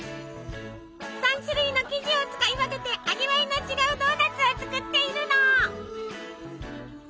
３種類の生地を使い分けて味わいの違うドーナツを作っているの。